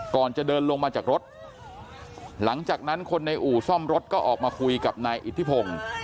ก่อนจะเดินลงมาจากรถหลังจากนั้นคนในอู่ซ่อมรถก็ออกมาคุยกับนายอิทธิพงศ์